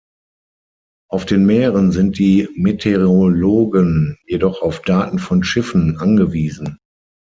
Auf den Meeren sind die Meteorologen jedoch auf Daten von Schiffen angewiesen.